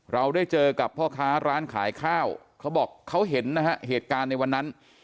เราได้เจอกับพ่อค้าร้านขายข้าวเขาบอกเขาเห็นนะฮะเหตุการณ์ในวันนั้น